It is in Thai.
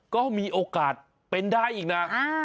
ก็มีโอกาสเป็นได้อีกนะ